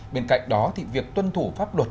bên cạnh đó thì việc tuân thủ pháp luật